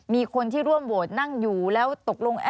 มีคนที่ร่วมโหวตนั่งอยู่แล้วตกลง